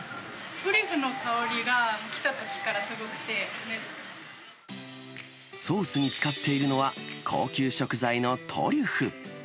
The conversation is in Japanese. トリュフの香りが来たときかソースに使っているのは、高級食材のトリュフ。